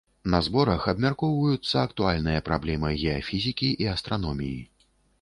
На зборах абмяркоўваюцца актуальныя праблемы геафізікі і астраноміі.